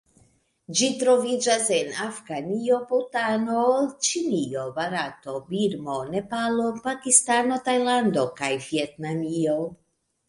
Ĝi troviĝas en Afganio, Butano, Ĉinio, Barato, Birmo, Nepalo, Pakistano, Tajlando kaj Vjetnamio.